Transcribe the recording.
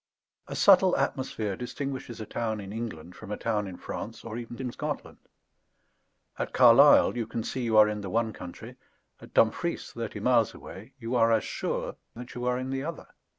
A subtle atmosphere distinguishes a town in England from a town in France, or even in Scotland. At Carlisle you can see you are in the one country; at Dumfries, thirty miles away, you are as sure that you are in the other.